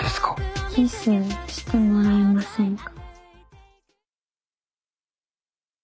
キスしてもらえませんか？